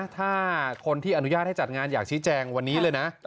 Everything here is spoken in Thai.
ถ้าคนที่อนุญาตให้จัดงานอยากชี้แจงวันนี้เลยนะ